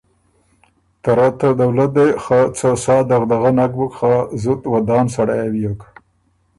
ته رۀ ته دولت دې خه څه سا دغدغۀ نک بُک که زُت ودان سړئ